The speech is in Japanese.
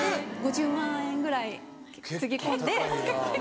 ５０万円ぐらいつぎ込んで焙煎器。